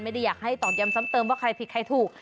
อยากให้ตอกย้ำซ้ำเติมว่าใครผิดใครถูก